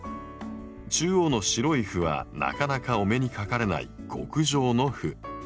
中央の白い斑はなかなかお目にかかれない極上の斑。